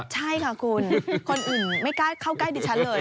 ใช่ค่ะคุณคนอื่นไม่กล้าเข้าใกล้ดิฉันเลย